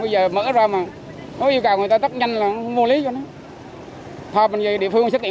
bây giờ mở ra mà nó yêu cầu người ta tắt nhanh là mua lý cho nó tho bệnh viện địa phương xét nghiệm